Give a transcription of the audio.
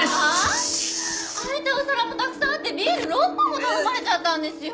シーッ！空いたお皿もたくさんあってビール６本も頼まれちゃったんですよ！？